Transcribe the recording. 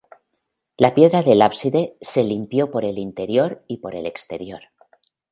La piedra del ábside se limpió por el interior y por el exterior.